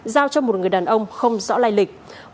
giao cho một người đàn ông không rõ lai lịch